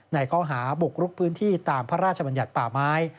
ไหนก็หาบกลุกพื้นที่ตามพระราชบัญญัติป่าม้าย